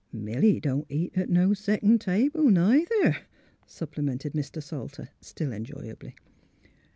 *' Milly don't eat at no second table, neither," supplemented Mr. Salter, still enjoyably.